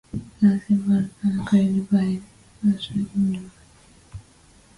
The symptoms are caused by lymphatic absorption and vascular dissemination of the neurotoxin.